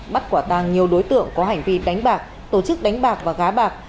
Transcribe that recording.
bắt quả tàng nhiều đối tượng có hành vi đánh bạc tổ chức đánh bạc và gá bạc